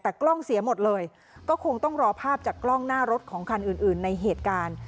แต่กล้องเสียหมดเลยก็คงต้องรอภาพจากกล้องหน้ารถของคันอื่นในเหตุการณ์